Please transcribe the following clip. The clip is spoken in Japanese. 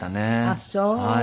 あっそう。